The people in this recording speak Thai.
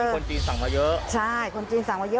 คนจีนสั่งมาเยอะใช่คนจีนสั่งมาเยอะ